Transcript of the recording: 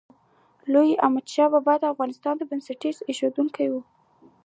لوی احمدشاه بابا د افغانستان بنسټ ایښودونکی و.